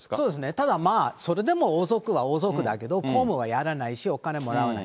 ただまあ、それでも王族は王族だけど、公務はやらないし、お金もらわない。